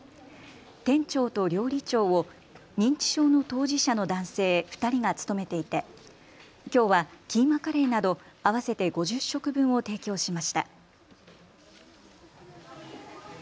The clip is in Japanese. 店長と料理長を認知症の当事者の男性２人が務めていてきょうはキーマカレーなど合わせて５０食分を提供しました。